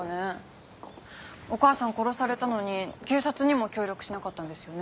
お母さん殺されたのに警察にも協力しなかったんですよね。